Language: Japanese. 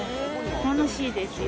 楽しいですよ。